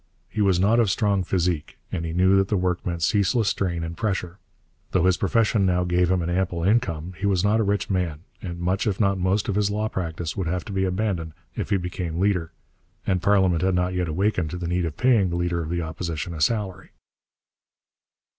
He was not of strong physique, and he knew that the work meant ceaseless strain and pressure. Though his profession now gave him an ample income, he was not a rich man, and much if not most of his law practice would have to be abandoned if he became leader; and parliament had not yet awakened to the need of paying the leader of the Opposition a salary.